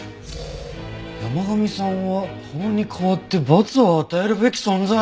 「山神さんは法に代わって罰を与えるべき存在」！